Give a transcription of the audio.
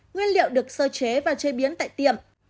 nguyên liệu được sơ chế và chế biến tại tiệm